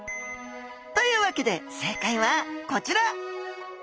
というわけで正解はこちら！